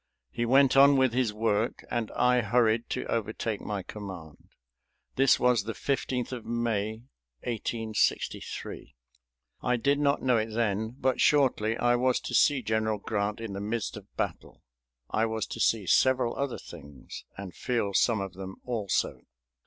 He went on with his work and I hurried to overtake my command. This was the 15th of May, 1863. I did not know it then, but shortly I was to see General Grant in the midst of battle. I was to see several other things, and feel some of them also.